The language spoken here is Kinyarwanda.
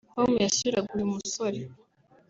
com yasuraga uyu musore